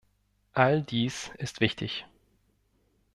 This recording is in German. All dies ist wichtig.